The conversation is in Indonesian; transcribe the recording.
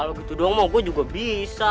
kalau gitu doang mau gue juga bisa